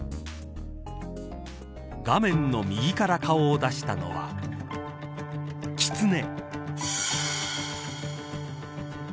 画面の右から顔を出したのはキツネ。